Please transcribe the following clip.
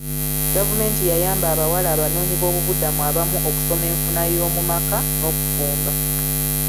Gavumenti yayamba abawala abanoonyiboobubudamu abamu okusoma enfuna y'omu maka n'okufumba